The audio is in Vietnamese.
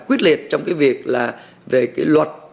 quyết liệt trong cái việc là về cái luật